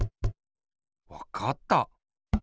わかった！